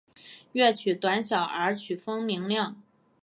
乐曲短小而曲风明亮。